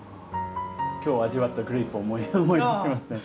今日味わったグレープを思い出しますね。